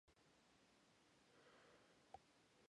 Coconut processing is the main industry in Oroquieta City.